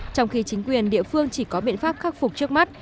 trong khi chính quyền địa phương chỉ có biện pháp khắc phục trước mắt